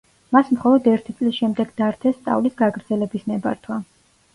მას მხოლოდ ერთი წლის შემდეგ დართეს სწავლის გაგრძელების ნებართვა.